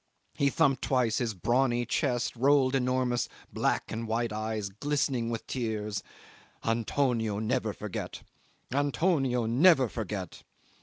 He thumped twice his brawny chest, rolled enormous black and white eyes glistening with tears: "Antonio never forget Antonio never forget!"